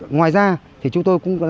ngoài ra thì chúng tôi cũng